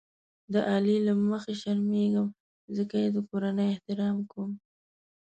د علي له مخې شرمېږم ځکه یې د کورنۍ احترام کوم.